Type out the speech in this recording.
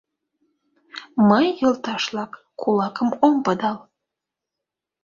— Мый, йолташ-влак, кулакым ом пыдал.